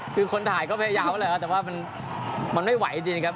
คือคนถ่ายก็พยายามแหละครับแต่ว่ามันไม่ไหวจริงครับ